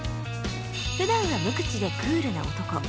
普段は無口でクールな男